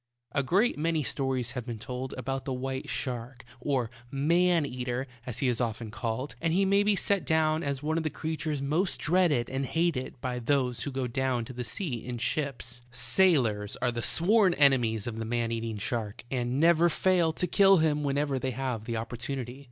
A great many stories have been told about the white shark, or "man eater," as he is often called, and he may be set down as one of the creatures most dreaded and hated by those who go down to the sea in ships. Sailors are the sworn enemies of the man eating shark, and never fail to kill him whenever they have the opportunity.